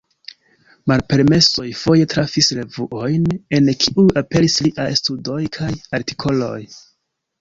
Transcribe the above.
Malpermesoj foje trafis revuojn, en kiuj aperis liaj studoj kaj artikoloj.